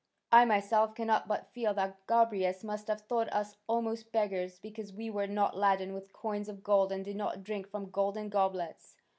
I myself cannot but feel that Gobryas must have thought us almost beggars because we were not laden with coins of gold and did not drink from golden goblets.